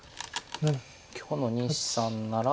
今日の西さんなら。